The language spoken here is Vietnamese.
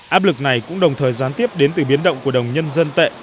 áp lực này cũng đồng thời gián tiếp đến từ biến động của đồng nhân dân tệ